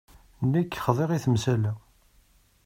Nekk xḍiɣ i temsalt-a.